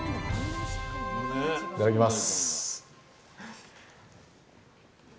いただきます。